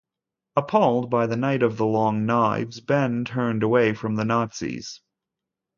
Appalled by the Night of the Long Knives, Benn turned away from the Nazis.